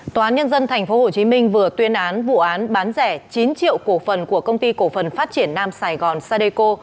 tòa án nhân dân tp hcm vừa tuyên án vụ án bán rẻ chín triệu cổ phần của công ty cổ phần phát triển nam sài gòn sadeco